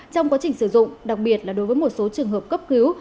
trong quá trình sử dụng đặc biệt là đối với một số trường hợp cấp cứu